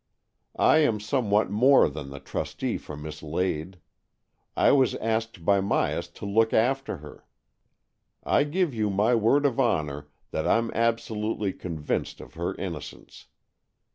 I am somewhat more than the trustee for Miss Lade. I was asked by Myas to look after her. I give you my word 118 AN EXCHANGE OF SOULS ot honour that Fm absolutely convinced of her innocence.